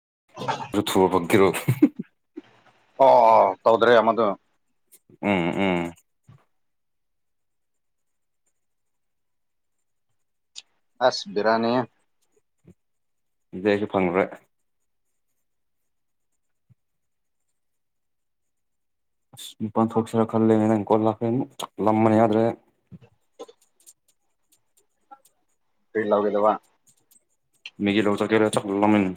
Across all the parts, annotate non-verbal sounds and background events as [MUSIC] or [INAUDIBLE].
ꯨ꯫ [UNINTELLIGIBLE] ꯑꯣ ꯇꯧꯗ꯭ꯔꯦ ꯑꯃꯗꯨ꯫ ꯎꯝ ꯎꯝ꯫ ꯑꯁ ꯕꯤꯔꯅꯤꯍꯦ꯫ ꯑꯗꯩ ꯑꯩꯁꯨ ꯐꯪꯗꯔꯦ꯫ ꯑꯁ ꯄꯥꯟ ꯊꯣꯛꯁꯤꯔꯥ ꯈꯜꯂꯦꯅꯦ ꯅꯪ ꯀꯣꯜ ꯂꯥꯛꯅꯤ ꯂꯝꯕꯅ ꯌꯥꯗ꯭ꯔꯦ꯫ [UNINTELLIGIBLE] ꯐ ꯂꯥꯎꯒꯦꯗꯕ ꯃꯤꯒꯤ ꯂꯧ ꯆ ꯀꯔ ꯆꯀꯂꯂꯃꯤ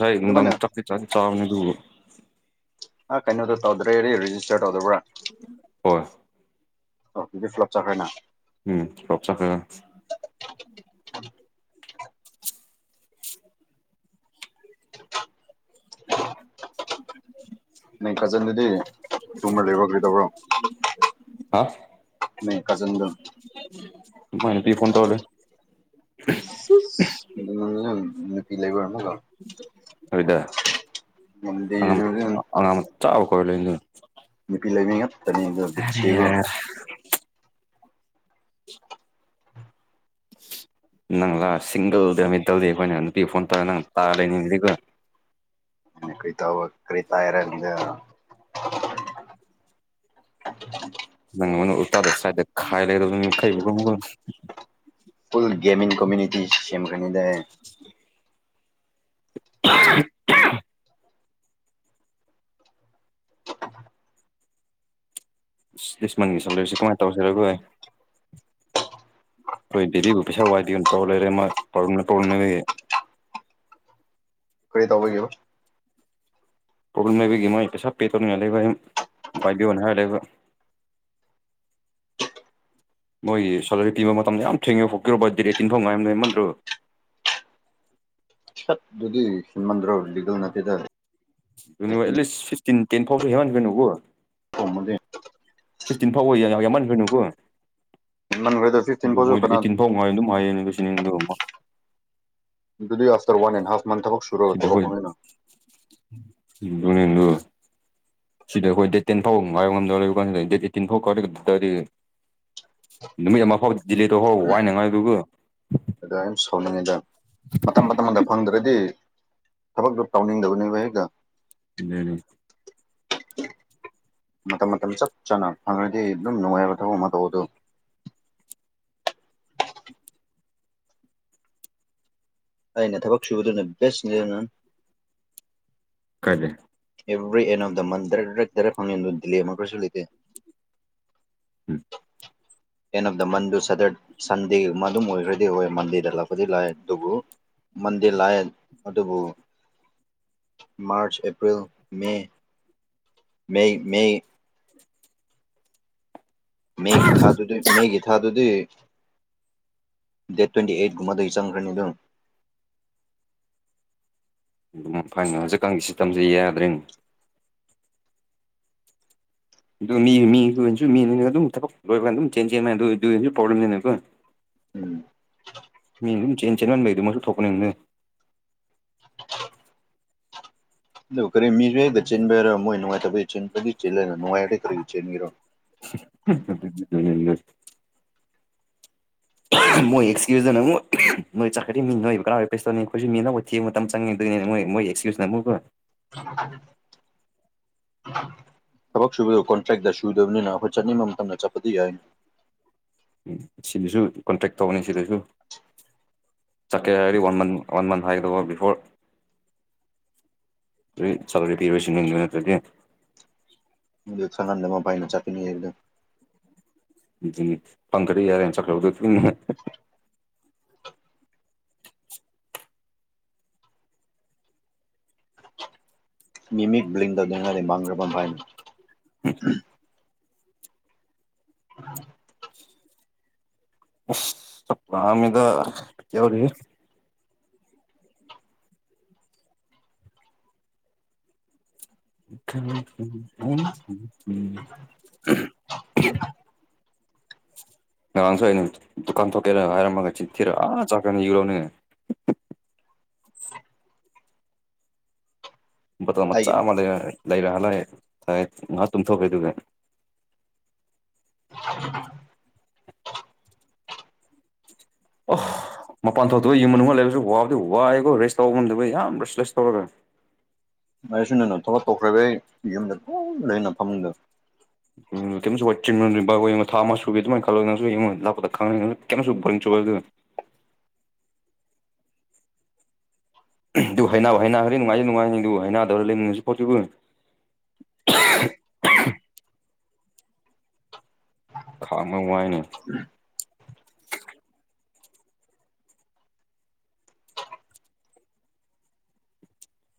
ꯁꯥꯏꯗꯥꯪ ꯑꯗꯨꯃꯥꯏꯅ ꯆꯥꯛꯂꯤ ꯆꯥꯛꯂꯤ ꯆꯂꯥꯎꯅꯤꯗꯨꯕ ꯑ ꯀꯩꯅꯣꯗꯣ ꯇꯧꯗ꯭ꯔꯦꯗꯤ ꯔꯦꯖꯤꯁꯇꯔ ꯇꯧꯗꯕ꯭ꯔꯥ ꯍꯣꯏ ꯑꯣ ꯏꯗꯤ ꯐ꯭ꯂꯞ ꯆꯈꯥꯏꯅ ꯎꯝ ꯀꯞ ꯆ ꯀꯒ [INAUDIBLE] ꯑ ꯅꯪ ꯀꯖꯟꯗꯗꯤ ꯇꯨꯃ ꯂꯩꯕ ꯀꯩꯗꯧꯕ꯭ꯔꯣ ꯑ ꯃ ꯀꯖꯟ ꯂꯣ ꯃꯅ ꯇꯤ ꯐꯟ ꯇꯧꯂꯦ ꯅꯨꯄꯤꯤ ꯂꯩꯕꯔꯅ ꯀꯣ ꯑꯗꯨꯗ ꯑꯉꯥꯡ ꯆꯥꯕ ꯈꯣꯏꯕ ꯂꯩꯣꯏꯅꯤ ꯂ ꯂꯤꯄꯤ ꯂꯩ ꯃꯤꯡꯉ ꯇꯅꯤꯒꯣ ꯕꯤꯆꯦꯒꯣ ꯌꯥꯔꯦ [INAUDIBLE] ꯅꯪ ꯂꯥꯛ ꯁꯤꯡꯒꯜꯗ ꯗꯜꯗꯤ ꯑꯩꯈꯣꯏꯅ ꯅꯨꯄꯤ ꯐꯣꯟ ꯇꯧꯔꯦ ꯅꯪ ꯇꯥꯔ ꯂꯩꯅꯤꯡ ꯑꯗꯨꯒꯒ ꯀꯔꯤ ꯇꯧꯕ ꯀꯔꯤ ꯇꯥꯏꯔꯅꯤꯗꯦ [INAUDIBLE] ꯅꯪꯉꯅ ꯎꯇꯥꯗ ꯁꯥꯏꯗ ꯈꯥꯏ ꯂꯩꯔ ꯀꯩꯕꯨꯝꯒ ꯐꯜ ꯦꯃꯤꯡ ꯀꯣꯃꯤꯌꯨꯇꯤ ꯁꯦꯝꯦꯝ ꯈꯅꯤꯗꯦ [INAUDIBLE] ꯂꯤꯁꯃꯟꯒꯤ ꯁꯂꯔꯤꯁꯤꯦ ꯀꯃꯥꯏꯅ ꯇꯧꯁꯤꯔꯒꯣꯏ ꯍꯣꯏ ꯗꯦꯗꯤꯒꯐꯤꯁꯥ ꯋꯥꯏꯗꯤ ꯑꯣꯏꯅ ꯇꯧꯔ ꯂꯩꯔꯦ ꯃꯥ ꯄ꯭ꯔꯣꯕ꯭ꯂꯦꯝ ꯄ꯭ꯔꯣꯕ꯭ꯂꯦꯝ ꯂꯩ ꯀꯔꯤ ꯇꯧꯕꯒꯣ ꯄ꯭ꯔꯣꯕ꯭ꯂꯦꯝ ꯂꯩꯕꯒꯤ ꯃ ꯁꯞ ꯄꯦ ꯇꯧꯅꯤꯡꯉ ꯂꯩꯕꯕꯥꯏꯕꯤꯌꯣꯅ ꯍꯥꯏꯔ ꯂꯩꯕ [INAUDIBLE] ꯃꯣꯏꯒꯤ ꯁꯦꯂꯔꯤ ꯄꯤꯕ ꯃꯇꯝꯗ ꯌꯥꯝ ꯊꯦꯡꯉꯦꯕ ꯐꯣꯛꯔꯣꯕ ꯗꯤ ꯑꯩ ꯇꯤꯟꯐꯝ ꯉꯥꯏꯝ ꯅꯃꯟꯗ꯭ꯔꯣ ꯑꯗꯨ ꯍꯃꯥꯟꯗ꯭ꯔ ꯗꯤꯒꯜ ꯅꯅꯥꯇꯗ ꯑꯦꯠꯂꯤꯁ ꯐꯤꯐꯇꯤꯟ ꯇꯦꯟ ꯐꯥꯎꯁꯨ ꯍꯦꯃꯟ ꯅꯣ ꯐꯥꯎꯃꯗꯤ ꯁꯤꯛꯁꯇꯤꯟ ꯐꯥꯎ ꯑꯣꯏꯌꯦ ꯌꯥ ꯌꯥꯝꯃ ꯀꯅꯨꯀꯨ ꯍꯦꯟꯃꯟꯈ꯭ꯔꯦꯗ ꯐꯤꯐꯇꯤꯟ ꯑꯗꯨ ꯐꯥꯎꯁꯨ ꯃꯣꯏꯗ ꯀꯅꯥ ꯑꯩꯠꯇꯤꯟ ꯐꯥꯎ ꯉꯥꯏ ꯑꯗꯨꯝ ꯍꯥꯏꯌꯦꯅꯦ ꯑꯗꯨ ꯁꯤꯅꯦꯗ ꯑꯃ ꯑꯃ ꯌꯗꯨꯗꯤ ꯑꯁꯇꯔ ꯋꯥꯟꯦꯟ ꯍꯥꯁꯃꯥꯟ ꯊꯕꯛ ꯁꯨꯔ ꯑꯣꯏ ꯇꯂꯛ ꯀꯃꯤꯅ ꯍꯅꯦꯟ ꯂꯣ ꯁꯤꯗ ꯑꯩꯈꯣꯏ ꯗꯦꯠ ꯇꯦꯟ ꯐꯥꯎ ꯉꯥꯏꯌ ꯉꯝꯗ ꯂꯩꯕ ꯀꯥꯟꯁꯤꯗ ꯗꯦꯠ ꯑꯩꯠꯇꯤꯟ ꯐꯥꯎ ꯀꯔꯗꯗꯤ ꯅꯨꯃꯤꯠ ꯑꯃ ꯐꯥꯎꯗꯤ ꯗꯤꯂꯦꯗꯣ ꯍꯥꯎ ꯋꯥꯏꯅꯉꯥꯏꯗꯨꯒ ꯑ ꯑ ꯁꯣꯅꯤꯡꯉꯤꯗ ꯃꯇꯝ ꯃꯇꯝ ꯑꯃꯗ ꯐꯪꯗ꯭ꯔꯗꯤ ꯊꯕꯛꯇꯣ ꯇꯧꯅꯤꯡꯗꯕꯅꯤ ꯋꯥꯍꯦꯛꯒ ꯑꯗꯨꯅꯤ [INAUDIBLE] ꯃꯇꯝ ꯃꯇꯝ ꯆꯞ ꯆꯥꯅ ꯐꯪꯉ꯭ꯔꯗꯤ ꯑꯗꯨꯝ ꯅꯨꯡꯉꯥꯏꯕ ꯊꯕꯛ ꯃꯇꯧ ꯑꯗꯨ ꯑꯩꯅ ꯊꯕꯛ ꯁꯨꯕꯗꯨꯅ ꯕꯦꯁ ꯅꯤꯅꯟ ꯀꯗꯦ every end of the month ꯗꯔꯛ drug drug ꯐꯪꯅꯤꯟ ꯑꯗꯨ ꯗꯤꯜꯂꯤ ꯑꯃ ꯀꯩꯁꯨ ꯂꯩꯇꯦ ꯎꯝ ꯑꯦꯟ ꯑꯣꯐ ꯗ ꯃꯟꯗꯨ ꯁꯗꯠ ꯁꯟꯗꯤ ꯃꯗꯨꯝ ꯑꯣꯏꯈ꯭ꯔꯗꯤ ꯑꯣꯏ ꯃꯟꯗꯤꯗ ꯂꯥꯛꯄꯗꯤ ꯂꯥꯛꯑꯦ ꯑꯗꯨꯕꯨ ꯃꯗꯤꯔ ꯂꯑ ꯑꯗꯨꯕꯨ ꯃꯥꯔꯆ ꯑꯦꯄ꯭ꯔꯤꯜ ꯃ ꯃꯦ ꯃꯦ ꯃꯦꯒꯤ ꯊꯥꯗꯨꯗꯤ ꯃꯦꯒꯤ ꯊꯥꯗꯨꯗꯤ ꯗꯦꯠ ꯇ꯭ꯋꯦꯟꯇꯤ ꯑꯩꯠ ꯒ ꯃꯗꯨꯒꯤ ꯆꯒ꯭ꯔꯅꯤꯗꯨ [UNINTELLIGIBLE] ꯑꯗꯨꯝ ꯐꯥꯏꯅ ꯍꯧꯖꯤꯛꯀꯥꯟꯒꯤ ꯁꯤꯇꯝꯁꯦ ꯌꯥꯗ꯭ꯔꯦꯅꯦ ꯑꯗꯨ ꯃꯤ ꯃꯤ ꯃꯤ ꯑꯗꯨ ꯊꯛ ꯑꯗꯨ ꯆꯦꯟꯖꯣꯕꯂꯦꯝ ꯂꯩ ꯀꯣ ꯎꯝ ꯝ ꯆꯦꯟ ꯆꯦꯟꯕꯗ ꯃꯁꯨ ꯊꯣꯛꯄ ꯅꯅ ꯑꯗꯨ ꯈꯔꯤ ꯃꯤꯔꯦꯒ ꯆꯤꯟꯕꯔꯣ ꯃꯣꯏ ꯅꯅꯨꯡꯉꯥꯏ ꯇ ꯄ ꯆ ꯄ ꯆ ꯅꯅꯨꯡꯉꯥꯏꯦ ꯈꯔꯤ ꯆ ꯃꯤꯔꯣ [INAUDIBLE] [INAUDIBLE] ꯃꯣꯏ ꯑꯦꯛꯁꯀ꯭ꯌꯨꯖꯇꯅꯨꯛ ꯅꯣꯏ ꯆꯠꯈꯠꯔꯤ ꯃꯤ ꯅꯣꯏꯕꯨ ꯀꯔꯥ ꯑꯣꯏꯕ ꯄꯦꯁꯇꯣꯅꯤ ꯑꯩꯈꯣꯏꯁꯨ ꯃꯤꯅꯕꯨꯣꯏ ꯊꯤꯕ ꯃꯇꯝ ꯆꯪꯉꯦꯗꯣꯏꯅꯤꯅꯦ ꯃꯣꯏ ꯑꯦꯛꯁꯀꯌꯨꯁ ꯅ ꯑꯃꯨ ꯀꯣ [INAUDIBLE] ꯊꯕꯛ ꯁꯨꯕꯗ ꯀꯣꯟꯇ꯭ꯔꯦꯛꯇ ꯁꯨꯗꯕꯅꯤꯅ ꯑꯩꯈꯣꯏ ꯆꯠꯅꯤꯡꯕ ꯃꯇꯝꯝꯗ ꯆꯠꯄꯗꯤ ꯌꯥꯏꯅꯤ ꯁꯤꯗꯁꯨ ꯀꯣꯟꯇꯦꯛ ꯇꯧꯅꯤ ꯁꯤꯗꯁꯨ ꯆꯀ ꯍꯥꯏꯗꯤ ꯋꯥꯟ ꯃꯟ ꯋꯥꯟ ꯃꯟ ꯍꯥꯏꯗꯣ ꯕꯤꯐꯣꯔꯣꯔ ꯆꯂꯦꯇꯁ ꯌꯦꯗ ꯅꯠꯇ꯭ꯔꯗꯤꯦ ꯑꯗꯨ ꯈꯅꯥꯟꯗ ꯑꯃ ꯄꯥꯏꯅ ꯆꯥꯄꯤꯅꯤ ꯍꯦꯗ ꯎꯝ ꯄꯪꯈꯖ ꯌꯥ ꯌꯥꯝ ꯈꯗ ꯃꯤꯃꯤꯛ ꯭ꯂꯤꯟꯗꯗꯦꯡꯔꯤ ꯃꯥꯡ꯭ꯔꯕꯥꯟ ꯍꯥꯏꯥꯏꯅꯤ ꯎꯝ ꯔꯝꯗ ꯌꯥꯎꯔꯤ ꯈ [INAUDIBLE] ꯉꯔꯥꯡꯁꯨꯏ ꯗꯨꯀꯥꯟ ꯊꯣꯛꯀꯦꯔ ꯍꯥꯏꯔꯝꯃꯒ ꯆꯠ ꯊꯤꯔ ꯑꯥ ꯆꯈꯅꯤ ꯌꯂꯣ ꯅ [UNINTELLIGIBLE] ꯃꯆꯥ ꯑꯩꯒꯤ ꯃ ꯂꯩ ꯂꯩꯔꯛꯍ ꯂꯑꯦꯥꯏꯦ ꯉꯥꯏꯍꯥꯛ ꯇꯨꯝꯊꯣꯛꯀꯦꯗꯨꯒ [UNINTELLIGIBLE] ꯑꯣ ꯃꯄꯥꯟ ꯊꯣꯛꯇ ꯌꯃ ꯃꯅꯨꯡ ꯂꯩꯔꯁꯨ ꯋꯥꯕꯗꯤ ꯋꯥꯏꯦꯀꯣ ꯔꯦꯁ ꯇꯧꯕ ꯉꯝꯗꯕ ꯌꯥꯝ ꯔꯦꯁ ꯔꯦꯁ ꯇꯧꯔꯒ ꯃ ꯁꯤꯗ ꯅ ꯊꯕ ꯇꯧꯈ꯭ꯔꯥꯏꯩ ꯏꯗ ꯄ ꯂꯩ ꯍ ꯅꯅꯥ ꯐꯝꯗ ꯁꯨꯤꯟ ꯊꯥ ꯁꯜꯂꯉꯥꯛꯁꯨ [INAUDIBLE] ꯑꯗꯨꯗꯨ ꯍꯥꯏ ꯍ ꯍꯥꯏꯅ ꯍꯔꯦ ꯅꯨꯡꯉꯥꯏꯖꯦ ꯅꯨꯡꯉꯥꯏꯗꯨ ꯍꯥꯏꯅꯗꯧꯔ ꯂꯩꯁꯨ ꯄꯣꯠꯆꯕ [INAUDIBLE] ꯊꯅꯉꯥꯏꯅꯦ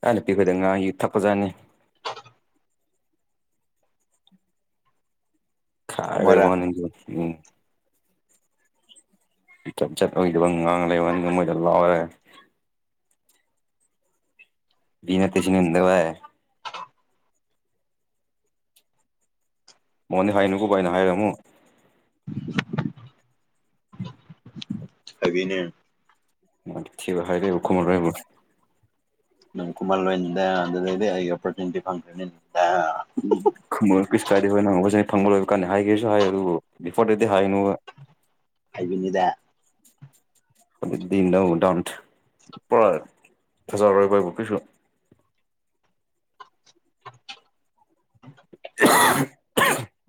ꯑꯅꯄꯤꯗ ꯉ ꯌꯊꯄ ꯆꯅꯦꯦ ꯈꯥꯏꯔꯦ ꯃꯣꯏꯔꯥ ꯋꯥꯅꯤ ꯎꯝ ꯆꯠ ꯆꯠ ꯑꯣꯏꯗꯕ ꯉꯥꯡ ꯂꯩꯕ ꯃꯣꯏꯗ ꯂꯥꯎꯔꯦ ꯅ ꯇꯦꯁꯤꯅ ꯏꯗꯋꯥꯏ ꯃꯣꯟꯅꯤ ꯍꯥꯏꯅꯨꯀꯣ ꯥꯏꯅ ꯍꯥꯏꯔꯃꯨ ꯑꯕꯤꯅꯦ ꯕ ꯍꯥꯏ ꯀꯨ ꯅꯪ ꯀꯨꯝꯃꯜ ꯂꯣꯏꯗ ꯑꯗꯨꯗꯗꯤ ꯑꯩ ꯑꯣꯄꯣꯔꯆꯨꯅꯤꯇꯤ ꯐꯪꯗ꯭ꯔꯦꯅꯤ ꯎꯁ ꯀꯥꯗꯦꯕꯅ ꯍꯧꯁ ꯐꯪꯕ ꯂꯣꯏꯕ ꯀꯥꯟꯅꯤ ꯍꯥꯏꯒꯦꯁꯨ ꯍꯥꯏ ꯑꯗꯨꯕꯨ ꯕꯤꯐꯣꯔ ꯗꯦꯗꯤ ꯍꯥꯏꯅꯨꯕ ꯑꯕꯤꯅꯤꯗ ꯍꯗꯤ ꯂꯗꯎꯥꯎꯟꯇ ꯄ ꯐꯦꯖꯥ ꯑꯣꯏꯒ ꯄꯕ ꯀꯁꯨ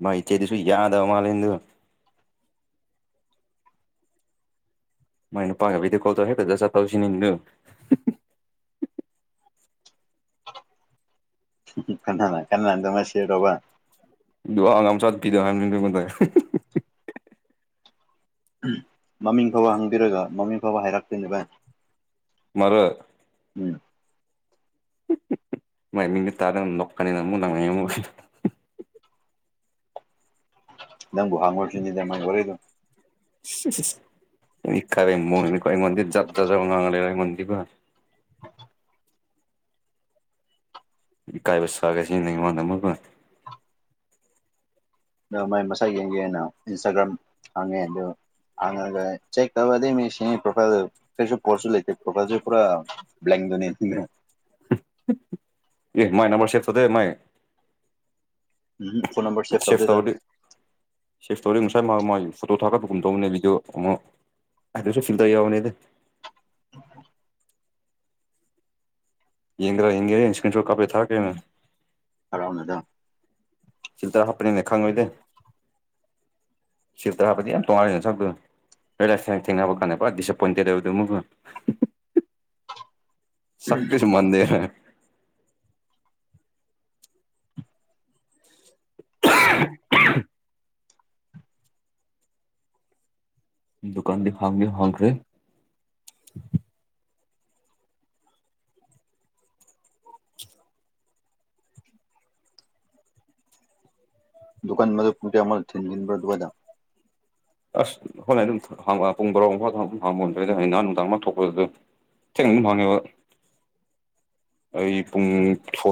ꯃꯩꯆꯦꯗꯨꯁꯨ ꯌꯥꯗꯕ ꯃꯥꯂꯦꯝꯂꯗꯨ ꯃꯥꯏꯅ ꯄꯥꯡꯦꯤꯗꯤ ꯀꯣꯗ ꯍꯦ ꯄ ꯆ ꯆꯄꯥꯎꯁꯤ ꯅ ꯀꯅꯥꯅ ꯀꯅꯥ ꯃꯥꯁꯤꯦ ꯔꯣꯕ ꯂꯉꯝ ꯆꯠ ꯄꯤꯗꯉꯣꯟ ꯇ ꯃꯃꯤꯡ ꯐꯕ ꯍꯪꯕꯤꯔꯒ ꯃꯃꯤꯡ ꯐꯕ ꯍꯥꯏꯔꯛꯇꯣꯏꯅꯦ ꯚꯥꯏ ꯃꯔ ꯎꯣꯏ ꯃ ꯃꯤ ꯇꯥꯔ ꯂꯅꯤꯅꯣ ꯅꯃ ꯅꯪꯕꯨꯨ ꯍꯥꯡꯉꯣꯁꯨꯅꯤꯗ ꯃꯕꯔꯣꯏꯗꯨ [INAUDIBLE] ꯈꯔꯦ ꯀ ꯃꯖꯖꯖ ꯉꯥꯡꯦ ꯀ ꯃ ꯀꯥꯏꯕꯁꯒꯁꯤ ꯃꯗ ꯑ ꯃꯥꯏ ꯃꯁꯥ ꯌꯦꯡꯒꯦꯅ ꯏꯟꯁꯇꯥꯒ꯭ꯔꯥꯝ ꯍꯥꯡꯉꯦ ꯑ ꯆꯦꯛ ꯇꯗ ꯃꯤ ꯄꯣꯐꯥꯏꯜꯁꯨ ꯄꯣꯁ ꯂꯩ ꯄꯣꯐꯜ ꯄ ꯄꯨ꯭ꯂ ꯅ ꯏ ꯃꯥꯏ ꯅꯝꯕꯝꯕꯔ ꯁꯦꯠ ꯊꯗ my um phone number save ꯁꯤꯐ ꯇꯧꯗꯦꯗ ꯇꯧꯗꯦ ꯁꯤꯐ ꯇꯧꯗꯦ ꯉ꯭ꯔ ꯃ ꯐꯣꯇꯣ ꯊꯥꯛꯀꯄꯒꯨꯝ ꯇꯧꯅꯦ ꯕꯤꯗꯤꯑꯣ ꯑꯃ ꯍꯥꯏꯗꯁꯨ ꯐꯤꯜꯗ ꯌꯥꯎꯕꯅꯦꯗꯤ ꯎꯝ ꯌꯦꯡ꯭ꯔ ꯍꯦ ꯏ ꯁꯀꯟꯁꯨꯣ ꯀꯥꯄꯤꯦ ꯊꯔꯛꯦ ꯑꯔꯥꯎꯅꯗ ꯁꯤꯗꯔ ꯍꯥꯞꯅꯤ ꯂꯈꯥꯡꯒ ꯏꯗ ꯁꯤꯗ ꯍꯥꯄꯗꯤ ꯌꯥꯝ ꯇꯣꯉꯔ ꯁꯗ ꯊꯦꯡꯅꯕ ꯀꯥꯟꯅꯦ ꯄꯁ ꯄꯟꯇꯗꯗ ꯃꯨꯒ ꯁꯕ ꯀꯁꯨ ꯃꯗꯦ [INAUDIBLE] ꯗꯨꯀꯥꯟꯗꯤ ꯐꯪꯉꯅꯤ ꯐꯪꯈ꯭ꯔꯦ ꯗꯨꯀꯥꯟ ꯃ ꯄꯨꯨꯔꯇꯦ ꯑꯝꯜ ꯊꯤꯟꯃꯤꯤꯟꯕꯔ ꯋꯥꯖ ꯑꯁ ꯍꯣꯏ ꯑꯗꯨꯝ ꯄꯨꯡ ꯕꯥꯔꯥꯎ ꯃꯐꯥꯎꯗ ꯑꯗꯨꯝ ꯍꯥꯡꯕꯣꯗ꯭ꯔ ꯅꯍ ꯅꯨꯡꯗꯥꯡ ꯂ ꯊꯣꯛꯄꯗꯨꯗꯤ ꯆꯪ ꯃꯥꯅꯦꯕ [INAUDIBLE] ꯑꯩ ꯄꯨꯡ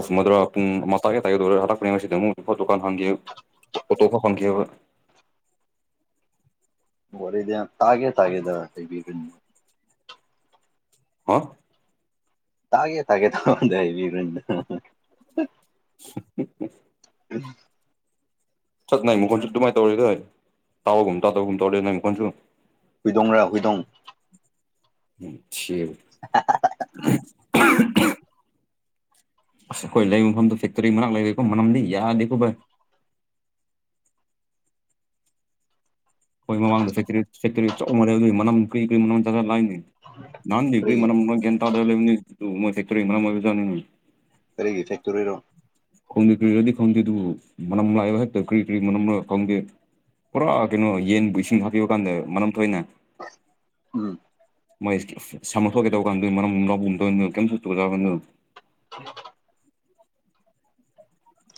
ꯁꯨꯝꯃꯗ꯭ꯔꯥ ꯄꯨꯡ ꯑꯃꯥꯏ ꯇꯥꯏꯒꯗꯧꯔ ꯍꯜꯂꯛꯄꯅꯦ ꯉꯁꯤꯗ ꯑꯃꯨꯛ ꯗꯨꯀꯥꯟ ꯍꯥꯡꯈꯤꯦ ꯑꯣ ꯇ ꯀ ꯐ ꯀꯕ [INAUDIBLE] ꯔꯗ ꯇꯥꯒꯦ ꯇꯥꯒꯦꯗ ꯍꯕꯤ ꯍꯥ ꯇꯥꯒꯦ ꯇꯥꯒꯦ ꯇꯥꯉꯗꯦꯕꯤꯔꯅ ꯎ ꯎꯝ ꯁꯠ ꯅꯥꯏꯃꯨꯈꯣꯟꯁꯨ ꯑꯗꯨꯃꯥꯏꯅ ꯇꯧꯔꯦꯗꯣꯏ ꯇꯥꯎꯕꯒꯨꯝ ꯇꯥꯗꯕꯒꯨꯝ ꯇꯧꯔ ꯅꯅꯥꯏꯃꯨꯈꯣꯟꯁꯨ ꯍꯨꯏꯗꯣꯡꯔ ꯍꯨꯏꯗꯣꯡ ꯁꯤ ꯑꯁ ꯑꯩꯈꯣꯏ ꯂꯩꯕ ꯃꯐꯝꯗꯨ ꯐꯦꯛꯇꯔꯤ ꯃꯅꯥꯛ ꯂꯩꯒꯦꯀꯣ ꯃꯅꯝꯗꯤ ꯌꯥꯗꯦꯀꯣ ꯚꯥꯏ ꯑꯩꯣꯏꯃꯥꯡꯗ ꯆꯇꯔꯦꯠ ꯆꯩꯇ꯭ꯔꯦꯠ ꯆ ꯃ ꯂꯩ ꯂꯧ ꯑꯗꯨꯣꯏ ꯃꯅ ꯀꯔꯤ ꯀꯔꯤ ꯃ ꯆꯣꯏꯅꯤ ꯔꯤ ꯀꯔꯤꯒꯤ ꯐ ꯁꯔꯒꯤ ꯐꯦꯛꯇꯣꯔꯤꯔꯣ ꯈꯪꯗꯦ ꯀꯔꯤꯔꯗꯤ ꯈꯪꯗꯦ ꯑꯗꯨꯕꯨ ꯃꯅꯝ ꯂꯥꯛꯏꯕ ꯍꯦꯛꯇ ꯀꯔꯤ ꯀꯔꯤ ꯃꯅꯝ ꯈꯪꯗꯦ ꯄꯨꯔꯥ ꯀꯩꯅꯣ ꯌꯦꯟꯕꯨ ꯏꯁꯤꯡ ꯍꯥꯞꯄꯤꯕ ꯀꯥꯟꯗ ꯃꯔꯝ ꯊꯣꯏꯅ ꯎꯝ ꯃꯣꯏ ꯁꯃꯀꯦ ꯇꯧ ꯀꯥꯟꯗꯣꯏ ꯃꯅꯝ ꯂꯥꯎ ꯎꯨꯝꯗꯣꯏꯅꯣ ꯀꯩꯝ ꯆꯣꯛꯕꯅꯣ [INAUDIBLE]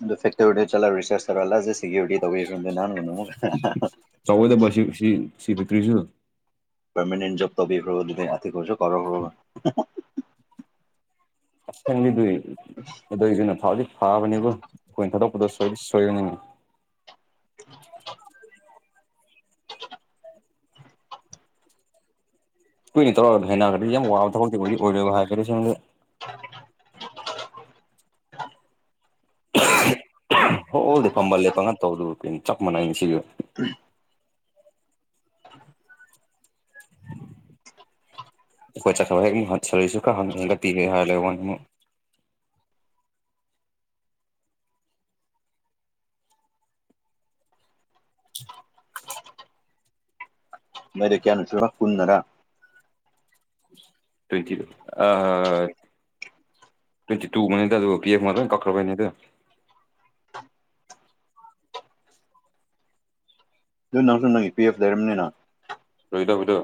ꯑꯗꯨ ꯐꯛꯇꯔꯤ ꯑꯣꯏ ꯆꯂ ꯔꯔꯤꯁꯔꯆꯔꯂ ꯁꯤꯀ꯭ꯌꯇ ꯇꯧꯔꯗ ꯅꯅꯟꯅꯨ ꯆꯥꯎꯋꯦꯗꯕ ꯁꯤ ꯁꯤ ꯁꯤ ꯐꯦꯛꯇ꯭ꯔꯤꯁꯨ ꯄꯔꯃꯅꯦꯦꯟ ꯣꯕ ꯇꯈ꯭ꯔꯣ ꯑꯗꯨꯤ ꯀꯧꯁꯨꯣ ꯀꯔꯣ ꯍ꯭ꯔꯣ ꯐꯁ ꯆꯟꯗꯣꯏꯦ ꯑꯗꯨꯏꯗꯨꯅ ꯊꯥꯎꯗꯤ ꯐꯥꯕꯅꯤꯕꯨ ꯑꯩꯈꯣꯏꯅ ꯊꯥꯗꯣꯛꯄꯗꯣ ꯁꯣꯏꯗꯤ ꯁꯣꯏꯔꯅꯤꯉ [INAUDIBLE] ꯀꯨꯏꯅꯤ ꯇꯧꯔ ꯍꯥꯏꯈ꯭ꯔꯗꯤ ꯌꯥꯝ ꯋꯥꯕ ꯊꯛꯇꯗꯤ ꯑꯣꯏꯔ ꯍꯥꯏꯈꯔꯦ ꯁꯗ [INAUDIBLE] ꯍ ꯑꯣꯗꯤ ꯐꯝꯃꯜꯂꯦ ꯄꯪꯉ ꯇꯧꯗꯨ ꯀꯩꯅꯣ ꯆꯞ ꯃꯥꯟꯅꯩ ꯁꯤꯁꯨ [INAUDIBLE] ꯑꯩꯈꯣꯏ ꯆꯠꯊꯕ ꯍꯦꯛꯨ ꯍ ꯁꯂꯨꯁꯨ ꯈ ꯍꯟꯅꯤꯡꯒ ꯄꯤꯒꯦ ꯍꯥꯏꯔ ꯂꯩ ꯋꯥꯅꯤ ꯑꯃꯨꯛ [INAUDIBLE] ꯃꯗꯤ ꯀꯌꯥꯅꯁꯨ ꯀꯨꯟꯟꯅꯔ ꯇ꯭ꯋꯦꯟꯇꯤ ꯇ ꯑ ꯇꯨ ꯃꯅꯤ ꯑꯗꯨ ꯄꯤ ꯑꯦꯐ ꯃꯔ ꯀꯛꯀꯔ ꯄꯅꯦꯗ ꯑꯗꯨ ꯅꯪꯁꯨ ꯅꯪꯏ ꯄꯤ ꯑꯦꯐ ꯂꯩꯔꯝꯅꯤꯅ ꯑꯣꯏꯗꯗ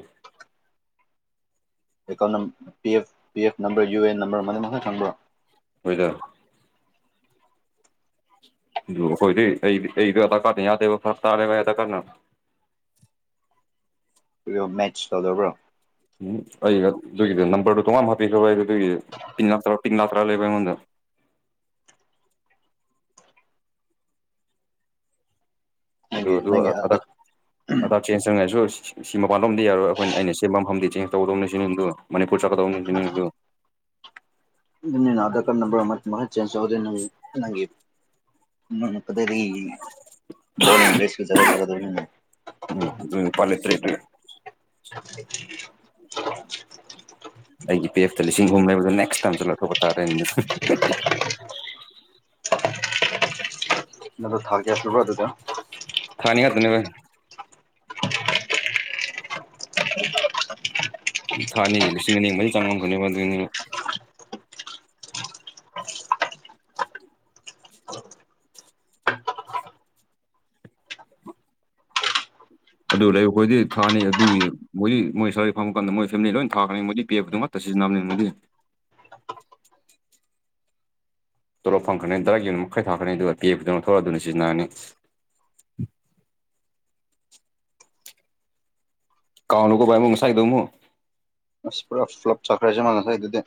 account P F P F number U A N number ꯃꯅꯤꯡ ꯃꯈꯛ ꯈꯪꯕ꯭ꯔꯣ ꯍꯣꯏꯗ ꯣꯏ ꯑꯩ ꯑꯩꯗ ꯀꯔꯅꯤ ꯌꯥꯗ ꯐꯇꯦ ꯀꯔꯅ ꯃꯦꯆ ꯊꯣꯛꯗꯕ꯭ꯔꯣ ꯎꯝ ꯑꯩꯒ ꯑꯗꯨꯒꯤꯗ ꯅꯝꯕꯔꯗꯨꯣ ꯇꯣꯉ ꯍꯥꯞꯄꯤꯈ꯭ꯔ ꯑꯩ ꯑꯗꯨꯒꯤ ꯄ ꯄꯤꯡ ꯂꯥꯛꯇꯔꯥ ꯂꯩꯕ ꯑꯩꯉꯣꯟꯗ [INAUDIBLE] ꯑꯗꯨ ꯅꯪꯒꯤ ꯑꯗꯨ ꯅꯪꯒꯤ ꯑꯗ ꯑꯗ ꯆꯦꯟꯖ ꯆꯪꯉꯥꯏꯁꯨ ꯑꯣꯏꯁꯤ ꯁꯤ ꯃꯄꯥꯟꯂꯣꯝꯗꯤ ꯌꯥꯔꯣꯏ ꯑꯩꯈꯣꯏ ꯑ ꯁꯦꯝꯕ ꯃꯝꯗꯤ ꯆꯦꯟꯖ ꯇꯧꯒꯗꯧꯅꯦ ꯁꯤꯅꯤꯗꯨꯣ ꯃꯅꯤ ꯄꯨꯨꯔꯆ ꯀꯗꯧꯅꯤꯁꯤꯅꯤꯣ ꯅꯅ ꯑꯙꯔ ꯀꯔꯠ ꯅꯝꯕꯔ ꯃ ꯃ ꯆꯦꯟꯖ ꯆꯥꯎꯗꯦ ꯅꯪ ꯅꯪ ꯎ ꯣ ꯭ꯔ [UNINTELLIGIBLE] ꯑꯩꯒꯤ ꯄꯤ ꯑꯦꯐꯇ ꯂꯤꯁꯤꯡ ꯑꯍꯨꯝ ꯂꯩꯕꯗ ꯅꯦꯛꯁ ꯇꯥꯏꯝꯁꯨ ꯂꯧꯊꯣꯛꯄ ꯇꯥꯔꯦꯅ [INAUDIBLE] ꯅꯗꯨ ꯊꯥꯒꯦꯁꯨꯕ ꯑꯗꯨꯗ ꯊꯅꯤ ꯍꯥ ꯑꯗꯨꯅꯦꯕ ꯊꯥꯅꯤ ꯂꯤꯁꯤꯡ ꯑꯅꯤ ꯃꯔꯤ ꯆꯪꯉꯝꯒꯅꯦꯕ ꯑꯗꯨꯅꯤ ꯑꯗꯨ ꯂꯩ ꯑꯩꯈꯣꯏꯗꯤ ꯊꯥꯅꯤ ꯑꯗꯨꯒꯤ ꯃꯣꯏꯗꯤ ꯃꯣꯏ ꯁꯔ ꯐꯪꯕ ꯃꯇꯝꯗ ꯃꯣꯏ ꯐꯦꯃꯤꯂꯤ ꯂꯣꯏꯅ ꯊꯥꯒ꯭ꯔꯅꯤ ꯃꯣꯏꯗꯤ ꯄꯦꯕꯗꯨ ꯉ ꯆꯦ ꯝꯕꯗꯤꯦ [INAUDIBLE] ꯇꯣꯂꯣꯞ ꯐꯪꯈ꯭ꯔꯅꯤ ꯇꯗꯥꯔꯥꯒꯤꯅ ꯃꯈꯩ ꯊꯥꯈ꯭ꯔꯅꯤ ꯑꯗꯨꯒ ꯄꯦꯛꯄꯗꯧꯅ ꯊꯣꯛꯂꯛꯑ ꯑꯗꯨꯅ ꯁꯤꯖꯤꯟꯅꯔꯅꯤ [INAUDIBLE] ꯀꯥꯎꯅꯒꯣ ꯏ ꯃꯁꯥꯏꯗ ꯃꯁꯄꯔ ꯐ꯭ꯂꯞ ꯆꯈ꯭ꯔꯦꯁꯦ ꯃꯥꯥꯟꯁ ꯍꯥꯏꯗꯗ